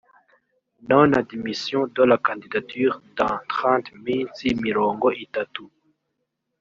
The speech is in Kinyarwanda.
non admission de la candidature dans trente minsi mirongo itatu